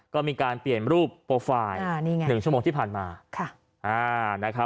ก็มีการเปลี่ยนรูปโปรไฟล์๑ชั่วโมงที่ผ่านมา